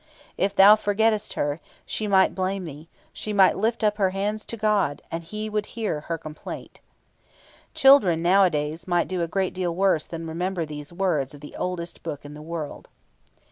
If thou forgettest her, she might blame thee; she might lift up her hands to God, and He would hear her complaint." Children nowadays might do a great deal worse than remember these wise words of the oldest book in the world.